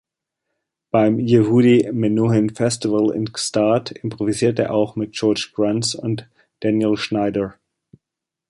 Beim "Yehudi-Menuhin-Festival" in Gstaad improvisierte er auch mit George Gruntz und Daniel Schnyder.